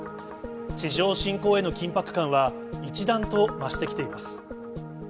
地上侵攻への緊迫感は一段と増してきています。